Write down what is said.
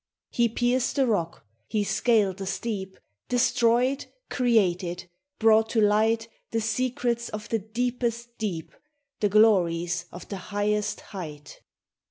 He pierced the rock ; he scaled the steep ; Destroyed ; created ; brought to light The secrets of the deepest deep, The glories of the highest height